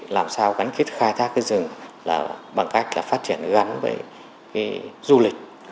làm sao gắn kết khai thác rừng bằng cách phát triển gắn với du lịch